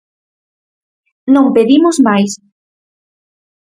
Non pedimos máis.